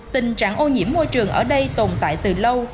tình trạng ô nhiễm môi trường ở đây tồn tại từ lâu